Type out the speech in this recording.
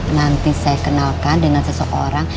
nanti saya kenalkan dengan seseorang